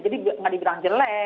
jadi gak dibilang jelek